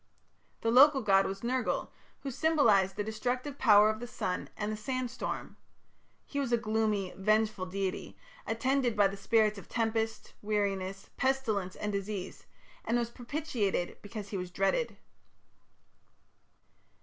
The local god was Nergal, who symbolized the destructive power of the sun and the sand storm; he was a gloomy, vengeful deity, attended by the spirits of tempest, weariness, pestilence, and disease, and was propitiated because he was dreaded.